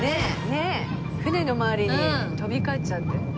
ねえ船の周りに飛びかっちゃって。